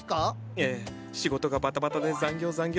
ええ仕事がバタバタで残業残業。